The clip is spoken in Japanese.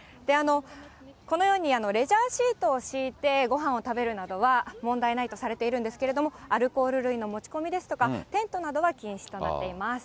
このようにレジャーシートを敷いて、ごはんを食べるなどは問題ないとされているんですけれども、アルコール類の持ち込みですとか、テントなどは禁止となっています。